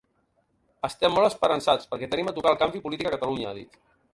“Estem molt esperançats perquè tenim a tocar el canvi polític a Catalunya”, ha dit.